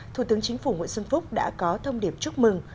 thủ tướng chính phủ nguyễn xuân phúc đã có thông điệp chúc mừng